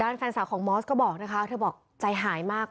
แฟนสาวของมอสก็บอกนะคะเธอบอกใจหายมาก